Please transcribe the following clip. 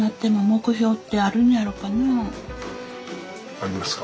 ありますか？